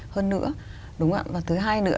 hơn nữa đúng không ạ và thứ hai nữa